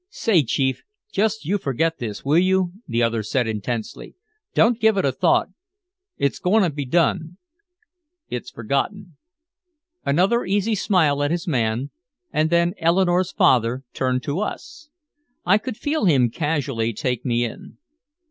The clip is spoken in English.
"Say, Chief, just you forget this, will you?" the other said intensely. "Don't give it a thought. It's go'n' to be done!" "It's forgotten." Another easy smile at his man, and then Eleanore's father turned to us. I could feel him casually take me in.